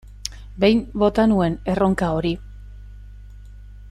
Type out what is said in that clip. Behin bota nuen erronka hori.